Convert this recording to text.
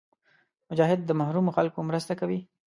مجاهد د محرومو خلکو مرسته کوي.